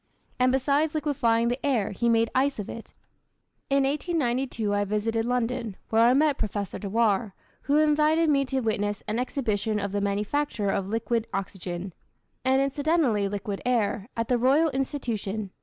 And besides liquefying the air he made ice of it. In 1892 I visited London, where I met Professor Dewar, who invited me to witness an exhibition of the manufacture of liquid oxygen and incidentally liquid air at the Royal Institution.